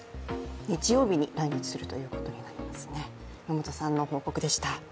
日曜日に来日するということになりますね。